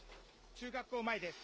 中学校前です。